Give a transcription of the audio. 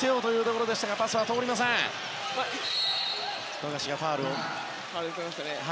富樫がファウル。